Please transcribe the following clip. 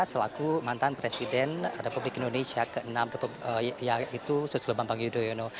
selaku mantan presiden republik indonesia ke enam yaitu susilo bambang yudhoyono